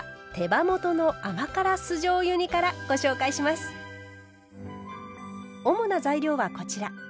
まずは主な材料はこちら。